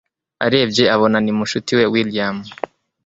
arebye abona ni mushuti we william